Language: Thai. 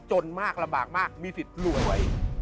จนมากลบากมากมีสิทธิ์รวยไว้